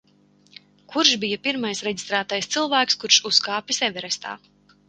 Kurš bija pirmais reģistrētais cilvēks, kurs uzkāpis Everestā.